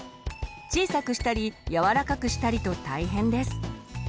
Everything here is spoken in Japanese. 小さくしたり柔らかくしたりと大変です。